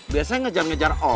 biasanya ngejar ngejar om